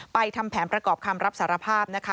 ทำแผนประกอบคำรับสารภาพนะคะ